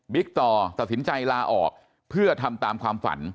ต่อตัดสินใจลาออกเพื่อทำตามความฝัน